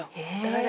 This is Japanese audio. え！